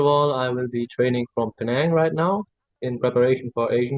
dan dua dari chinese adalah yang paling cepat di malaysia